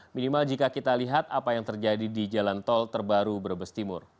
minimal jika kita lihat apa yang terjadi di jalan tol terbaru brebes timur